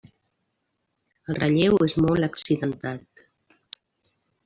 El relleu és molt accidentat.